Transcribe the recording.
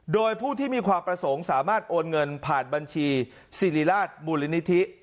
โดยผู้ที่มีความประสงค์สามารถโอนเงินผ่านบัญชีสิริราชมูลนิธิ